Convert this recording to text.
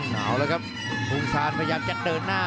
เอาเลยครับภูมิสารพยายามจะเดินหน้า